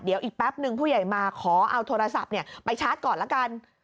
เดี๋ยวอีกแป๊บนึงผู้ใหญ่มาขอเอาโทรศัพท์ไปชาร์จก่อนละกัน